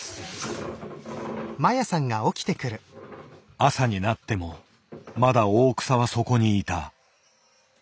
朝になってもまだ大草はそこにいた。